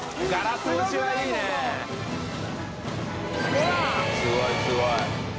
曚蕁すごいすごい。